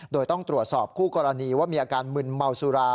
โดยต้องตรวจสอบคู่กรณีว่ามีอาการมึนเมาสุรา